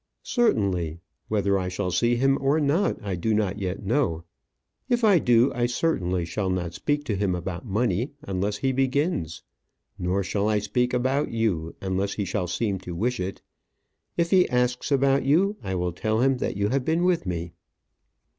"Certainly. Whether I shall see him or not I do not yet know. If I do, I certainly shall not speak to him about money unless he begins. Nor shall I speak about you, unless he shall seem to wish it. If he asks about you, I will tell him that you have been with me."